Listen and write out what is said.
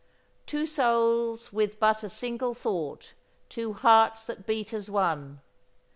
"Two souls with but a single thought; two hearts that beat as one."